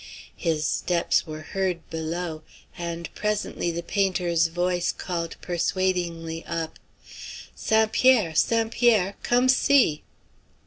His steps were heard below, and presently the painter's voice called persuadingly up: "St. Pierre! St. Pierre! Come, see."